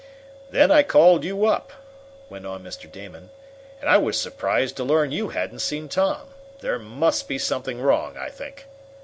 "Then I called you up," went on Mr. Damon, "and I was surprised to learn you hadn't seen Tom. There must be something wrong, I think."